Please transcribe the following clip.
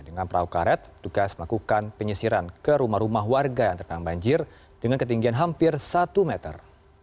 dengan perahu karet tugas melakukan penyisiran ke rumah rumah warga yang terkenang banjir dengan ketinggian hampir satu meter